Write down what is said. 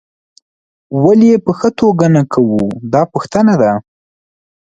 ولې یې په ښه توګه نه کوو دا پوښتنه ده.